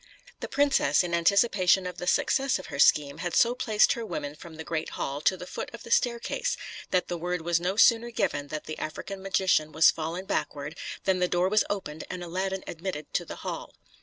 The princess, in anticipation of the success of her scheme, had so placed her women from the great hall to the foot of the staircase, that the word was no sooner given that the African magician was fallen backward, than the door was opened and Aladdin admitted to the hall.